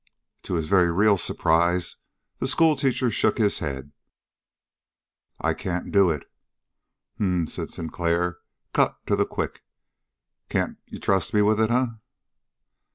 To his very real surprise the schoolteacher shook his head. "I can't do it." "H'm," said Sinclair, cut to the quick. "Can't you trust me with it, eh?"